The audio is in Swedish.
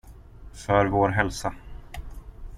För vår hälsa!